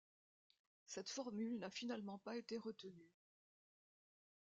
Cette formule n'a finalement pas été retenue.